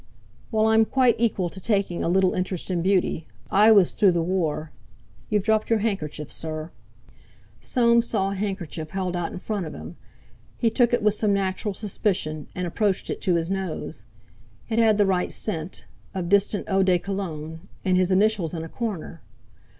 "Well, I'm quite equal to taking a little interest in beauty. I was through the War. You've dropped your handkerchief, sir." Soames saw a handkerchief held out in front of him. He took it with some natural suspicion, and approached it to his nose. It had the right scent—of distant Eau de Cologne—and his initials in a corner.